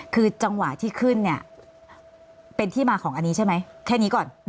คือจังหวะที่ขึ้นเนี่ยเป็นที่มาของอันนี้ใช่ไหมแค่นี้ก่อน